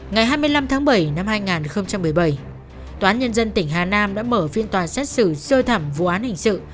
ngày hai mươi năm tháng bảy năm hai nghìn một mươi bảy tòa án nhân dân tỉnh hà nam đã mở phiên tòa xét xử sơ thẩm vụ án hình sự